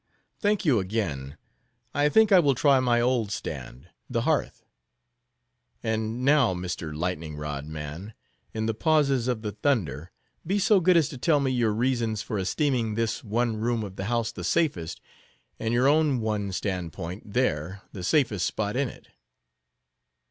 "Thank you again, I think I will try my old stand—the hearth. And now, Mr. Lightning rod man, in the pauses of the thunder, be so good as to tell me your reasons for esteeming this one room of the house the safest, and your own one stand point there the safest spot in it."